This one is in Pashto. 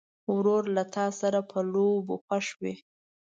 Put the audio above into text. ورور له تا سره په لوبو خوښ وي.